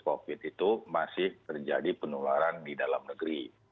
covid itu masih terjadi penularan di dalam negeri